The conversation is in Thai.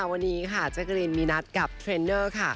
วันนี้จอกเรียนมีนัดกับเทรนเนอร์ค่ะ